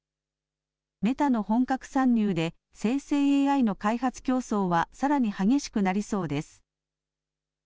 メタの本格参入で生成ＡＩの開発競争はさらに激しくなりそうです。